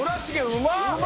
うまっ！